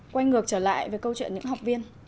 quay ngược trở lại với câu chuyện những học viên